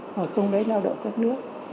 mà không lấy lao động các nước